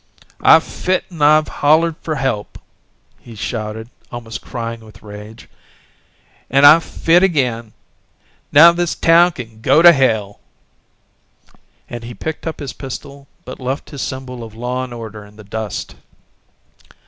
"I've fit an' I've hollered fer help," he shouted, almost crying with rage, "an' I've fit agin. Now this town can go to hell": and he picked up his pistol but left his symbol of law and order in the dust.